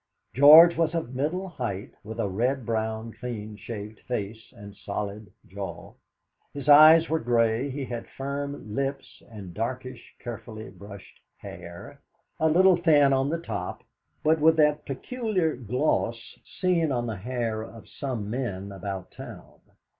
George was of middle height, with a red brown, clean shaved face and solid jaw. His eyes were grey; he had firm lips, and darkish, carefully brushed hair, a little thin on the top, but with that peculiar gloss seen on the hair of some men about town.